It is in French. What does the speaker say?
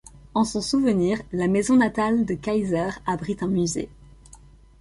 En son souvenir, la maison natale de Keiser abrite un musée.